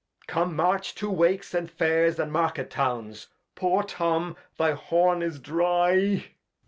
Come, march to Wakes, and Fairs, and Market Towns. Poor Tom, thy Horn is dry.